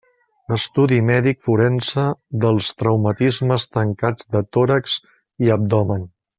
Estudi mèdic forense dels traumatismes tancats de tòrax i abdomen.